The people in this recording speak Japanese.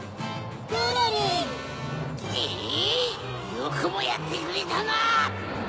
よくもやってくれたな！